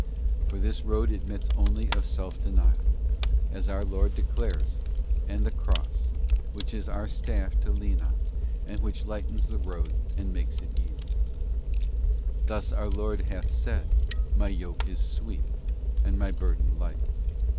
For this road admits only of self denial—as our Lord declares —and the cross, which is our staff to lean on, and which lightens the road and makes it easy. Thus our Lord hath said: 'My yoke is sweet, and My burden light.